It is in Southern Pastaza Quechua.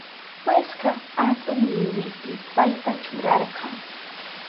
Jueska atun liwipi payta churarka.